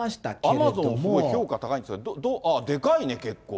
アマゾンですごい評価高いんですが、あっ、でかいね、結構。